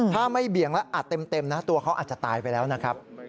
ถ้าไม่เบี่ยงแล้วอัดเต็มนะตัวเขาอาจจะตายไปแล้วนะครับ